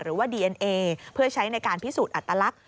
หรือว่าดีเอ็นเอเพื่อใช้ในการพิสูจน์อัตลักษณ